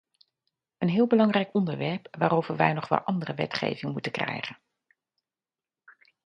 Een heel belangrijk onderwerp waarover wij wel nog nadere wetgeving moeten krijgen.